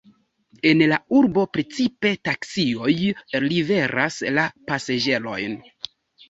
En la urbo precipe taksioj liveras la pasaĝerojn.